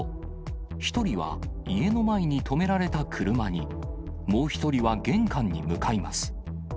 １人は家の前に止められた車に、もう１人は玄関に向かいます。